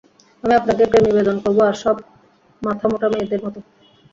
আমি আপনাকে প্রেম নিবেদন করব আর সব মাথামোটা মেয়েদের মতো!